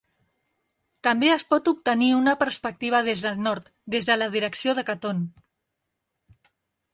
També es pot obtenir una perspectiva des del nord, des de la direcció de Caton.